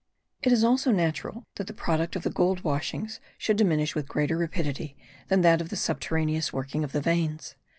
It is also natural that the product of the gold washings should diminish with greater rapidity than that of the subterraneous working of the veins.